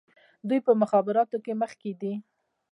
دوی په مخابراتو کې مخکې دي.